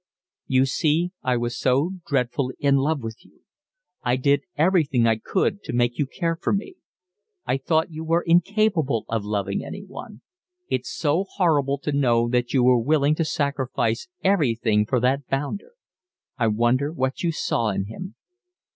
"You see, I was so dreadfully in love with you. I did everything I could to make you care for me. I thought you were incapable of loving anyone. It's so horrible to know that you were willing to sacrifice everything for that bounder. I wonder what you saw in him."